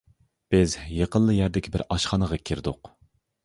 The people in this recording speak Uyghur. بىز يېقىنلا يەردىكى بىر ئاشخانىغا كىردۇق.